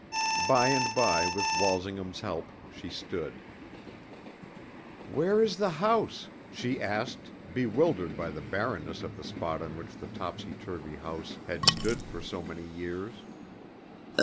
By and by with Walsingham's help she stood. "Where is the house?" she asked, bewildered by the barrenness of the spot on which the topsy turvy house had stood for so many years.